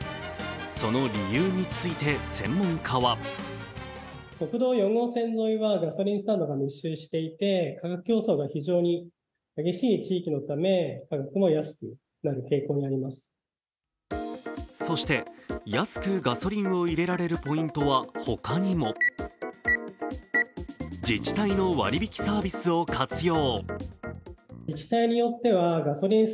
その理由について専門家はそして安くガソリンを入れられるポイントはほかにも自治体の割引サービスを活用。